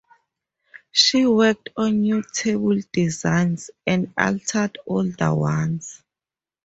She worked on new table designs and altered older ones.